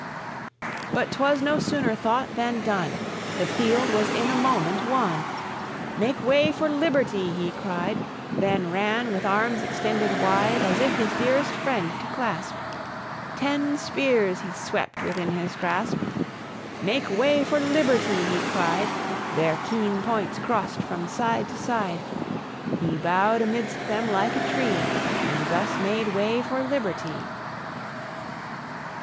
But 'twas no sooner thought than done! The field was in a moment won; "Make way for liberty!" he cried, Then ran, with arms extended wide, As if his dearest friend to clasp; Ten spears he swept within his grasp. "Make way for liberty!" he cried. Their keen points crossed from side to side; He bowed amidst them like a tree, And thus made way for liberty.